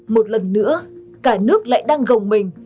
một lần nữa cả nước lại đang gồng mình